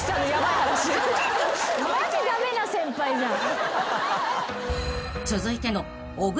マジ駄目な先輩じゃん。